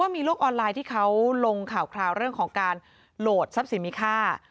มีโลกออนไลน์ที่เขาลงข่าวคราวเรื่องของการโหลดทรัพย์สินมีค่า